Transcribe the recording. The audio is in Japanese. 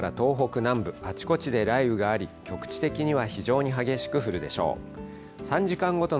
晴れる所も多いですが、九州から東北南部、あちこちで雷雨があり、局地的には非常に激しく降るでしょう。